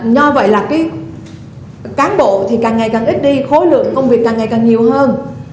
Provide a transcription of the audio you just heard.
do vậy là cái cán bộ thì càng ngày càng ít đi khối lượng công việc càng ngày càng nhiều hơn